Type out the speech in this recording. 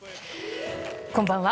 こんばんは。